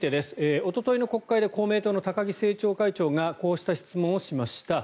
おとといの国会で公明党の高木政調会長がこうした質問をしました。